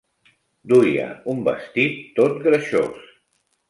Duia un vestit tot greixós.